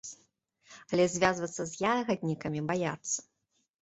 Але звязвацца з ягаднікамі баяцца.